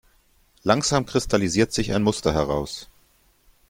Langsam kristallisiert sich ein Muster heraus.